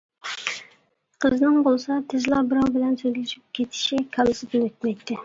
قىزنىڭ بولسا تېزلا بىراۋ بىلەن ئۆزلىشىپ كېتىشى كاللىسىدىن ئۆتمەيتتى.